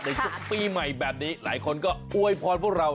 ช่วงปีใหม่แบบนี้หลายคนก็อวยพรพวกเรา